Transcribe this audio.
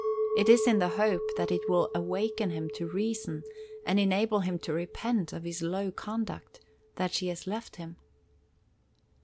It is in the hope that it will awaken him to reason and enable him to repent of his low conduct, that she has left him."